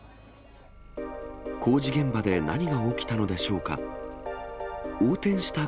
工事現場で何が起きたのでしょうか。